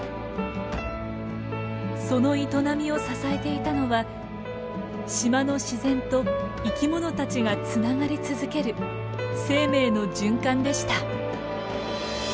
その営みを支えていたのは島の自然と生き物たちがつながり続ける生命の循環でした。